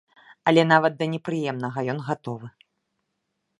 Але нават да непрыемнага ён гатовы.